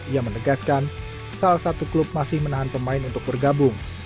ia menegaskan salah satu klub masih menahan pemain untuk bergabung